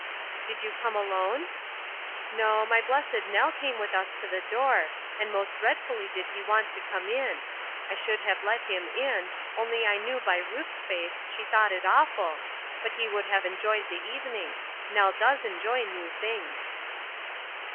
"Did you come alone?" "No; my blessed Nell came with us to the door, and most dreadfully did he want to come in. I should have let him in, only I knew by Ruth's face she thought it awful; but he would have enjoyed the evening. Nell does enjoy new things."